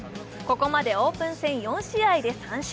ここまでオープン戦４試合で３勝。